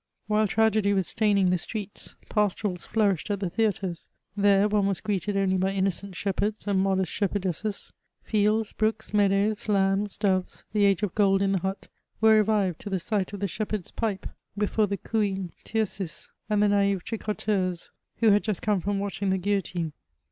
While tragedy was staining the streets, pastorals flourished at the theatres ; there, one was greeted only by innocent shepherds and modest shepherdesses ; fields, brooks, meadows, lambs, doves, the age of gold in the hut, were revived to the sight of the shepherd's pipe before the cooing Tircis and the naive tricoUeuses, who had just come from watching the guillotine.